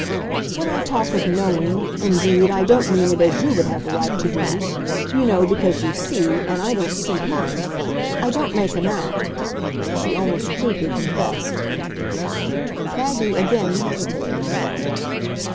"When I talk of 'knowing,' indeed, I don't mean it as you would have a right to do. You know because you see and I don't see HIM. I don't make him out," she almost crudely confessed. Maggie again hesitated.